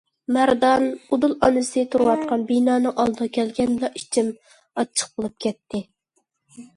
مەردان ئۇدۇل ئانىسى تۇرۇۋاتقان بىنانىڭ ئالدىغا كەلگەندىلا ئىچىم ئاچچىق بولۇپ كەتتى.